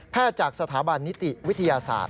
จากสถาบันนิติวิทยาศาสตร์